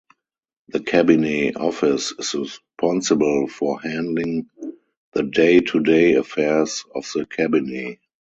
The Cabinet Office is responsible for handling the day-to-day affairs of the Cabinet.